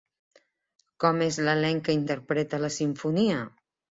Com és l'elenc que interpreta la simfonia?